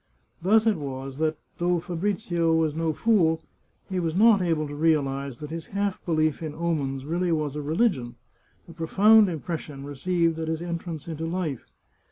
Thus it was that, though Fabrizio was no fool, he was not able to realize that his half belief in omens really was a religion, a profound impression received at his entrance into life.